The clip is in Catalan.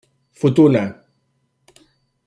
Futuna.